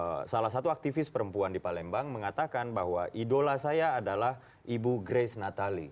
saya salah satu aktivis perempuan di palembang mengatakan bahwa idola saya adalah ibu grace natali